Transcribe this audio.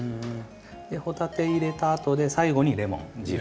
ほたて入れたあとで最後にレモン汁。